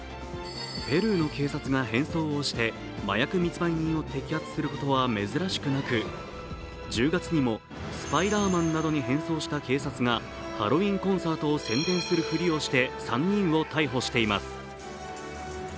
ペルーの警察が変装をして麻薬密売人を摘発することは珍しくなく、１０月にもスパイダーマンなどに変装した警察がハロウィーンコンサートを宣伝するふりをして３人を逮捕しています。